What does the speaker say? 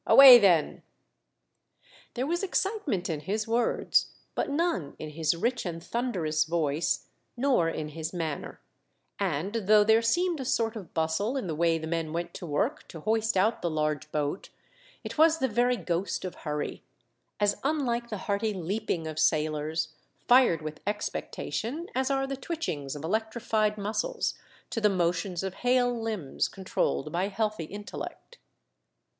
Away, then !" There was excitement in his words, but 302 THE DEATH SHIP. none in his rich and thunderous voice, nor in his manner ; and though there seemed a sort of bustle in the way the men went to work to hoist out the large boat, it was the very ghost of hurry, as unlike the hearty leaping of sailors, fired with expectation, as are the twitchings of electrified muscles, to the motions of hale limbs controlled by healthy intellect.